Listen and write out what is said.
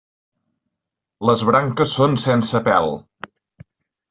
Les branques són sense pèl.